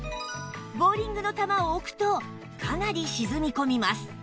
ボウリングの球を置くとかなり沈み込みます